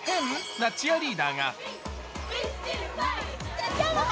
なチアリーダーが。